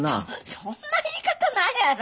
そんな言い方ないやろ。